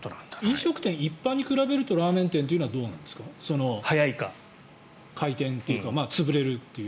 飲食店一般に比べるとラーメン店はどうなんですか早いか、回転というか潰れるという。